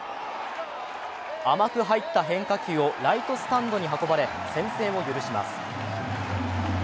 甘く入った変化球をライトスタンドに運ばれ先制を許します。